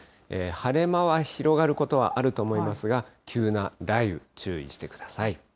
晴れ間は広がることはあると思いますが、急な雷雨、注意してください。